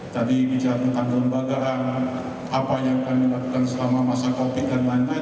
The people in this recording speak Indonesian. tadi bicara tentang kelembagaan apa yang kami lakukan selama masa covid dan lain lain